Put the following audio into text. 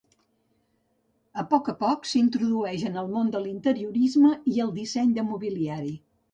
A poc a poc s'introdueix en el món de l'interiorisme i el disseny de mobiliari.